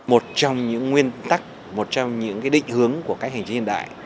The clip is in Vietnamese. một trong những nguyên tắc một trong những định hướng của cách hành trình hiện đại